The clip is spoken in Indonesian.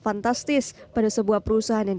fantastis pada sebuah perusahaan yang